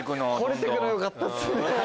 掘れてくのよかったっす。